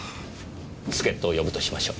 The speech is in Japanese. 助っ人を呼ぶとしましょう。